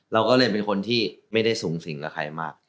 เราก็เลยเป็นคนที่ไม่ได้สูงสิงกับใครมาก